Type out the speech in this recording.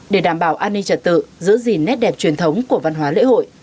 để đảm bảo an ninh trật tự giữ gìn nét đẹp truyền thống của văn hóa lễ hội